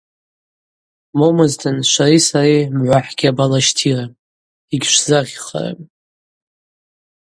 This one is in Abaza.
Момызтын швари сари Мгӏва хӏгьабалащтирым, йыгьшвзагъьхарым.